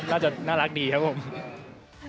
น่าจะน่ารักดีครับผม